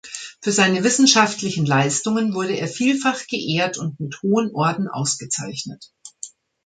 Für seine wissenschaftlichen Leistungen wurde er vielfach geehrt und mit hohen Orden ausgezeichnet.